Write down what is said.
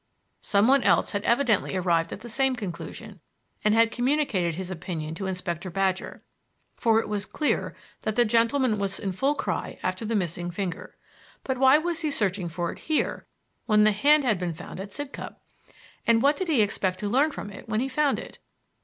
Some one else had evidently arrived at the same conclusion, and had communicated his opinion to Inspector Badger; for it was clear that that gentleman was in full cry after the missing finger. But why was he searching for it here when the hand had been found at Sidcup? And what did he expect to learn from it when he found it?